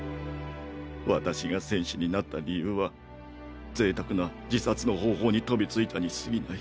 私が戦士になった理由は贅沢な自殺の方法に飛びついたにすぎない。